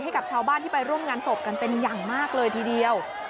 ให้กับชาวบ้านที่ไปร่วมงานศพกันเป็นอย่างมากเลยทีเดียว